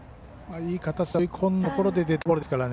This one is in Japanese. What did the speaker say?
いい形で追い込んだところでデッドボールですからね。